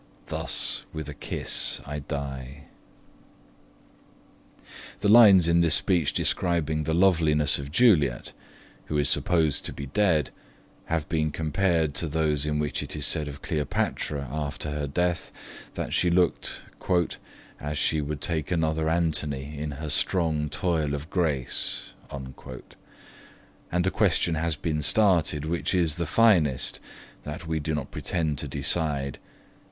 Thus with a kiss I die. The lines in this speech describing the loveliness of Juliet, who is supposed to be dead, have been compared to those in which it is said of Cleopatra after her death, that she looked 'as she would take another Antony in her strong toil of grace;' and a question has been started which is the finest, that we do not pretend to decide.